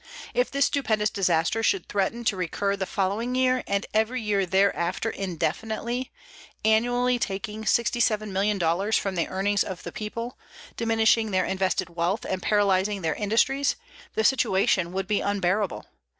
If this stupendous disaster should threaten to recur the following year and every year thereafter indefinitely, annually taking $67,000,000 from the earnings of the people, diminishing their invested wealth and paralyzing their industries, the situation would be unbearable.